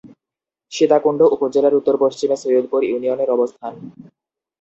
সীতাকুণ্ড উপজেলার উত্তর-পশ্চিমে সৈয়দপুর ইউনিয়নের অবস্থান।